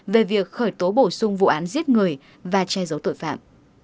về việc khởi tố bổ sung vụ án giết người và che giấu tội phạm